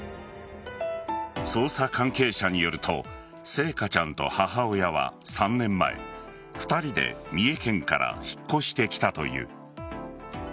捜査関係者によると星華ちゃんと母親は３年前、２人で三重県から引っ越してきたという。